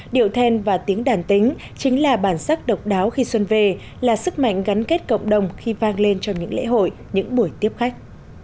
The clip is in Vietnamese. điệu then và tiếng đàn tính chính là bản sắc độc đáo khi xuân về là sức mạnh gắn kết cộng đồng khi vang lên trong những lễ hội những buổi tiếp khách